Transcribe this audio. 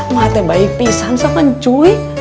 mak ada yang baik pisan sama cuy